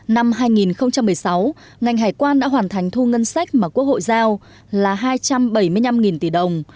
năm hai nghìn một mươi sáu ngành hải quan đã hoàn thành thu ngân sách mà quốc hội giao là hai trăm bảy mươi năm tỷ đồng